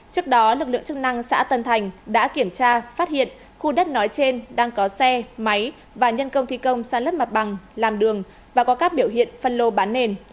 trước đó lực lượng chức năng xã tân thành đã kiểm tra phát hiện khu đất nói trên đang có xe máy và nhân công thi công sa lấp mặt bằng làm đường và có các biểu hiện phân lô bán nền